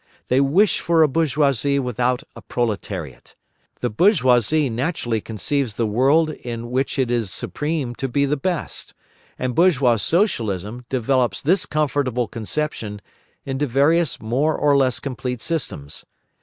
They wish for a bourgeoisie without a proletariat. The bourgeoisie naturally conceives the world in which it is supreme to be the best; and bourgeois Socialism develops this comfortable conception into various more or less complete systems.